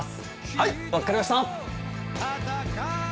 はい分かりました